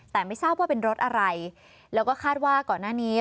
แต่ไม่ทราบว่าเป็นรถอะไรแล้วก็คาดว่าก่อนหน้านี้